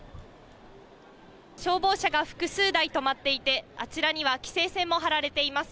消防車が複数台止まっていて、あちらには規制線も張られています。